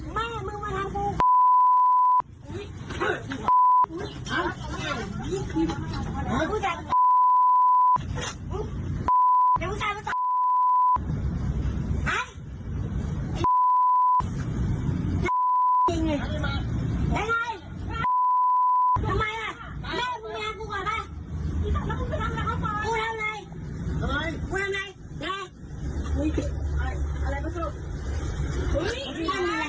อย่างไร